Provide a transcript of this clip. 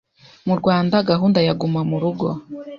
Mu Rwanda, gahunda ya “Guma mu rugo